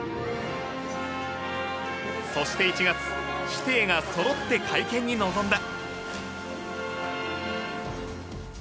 そして１月師弟がそろって会見に臨んだ。